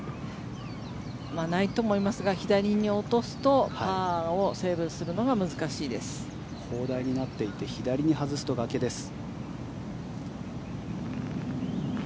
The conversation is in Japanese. ないと思いますが左に落とすとパーをセーブするのが砲台になっていて左に外すと崖です。